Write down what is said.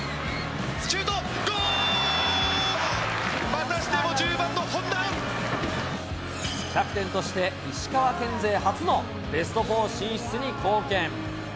またしてもキャプテンとして、石川県勢初のベスト４進出に貢献。